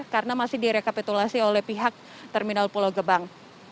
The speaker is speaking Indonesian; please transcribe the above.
karena masih direkapitulasi oleh pihak terminal pulau gebang